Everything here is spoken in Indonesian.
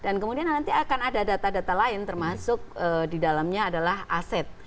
kemudian nanti akan ada data data lain termasuk di dalamnya adalah aset